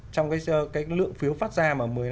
trong cái lượng phiếu phát ra